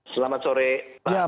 selamat sore pak